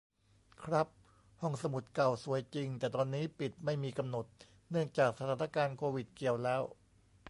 ครับ ห้องสมุดเก่าสวยจริง แต่ตอนนี้ปิดไม่มีกำหนด เนื่องจากสถานการณ์โควิด เกี่ยวแล้ว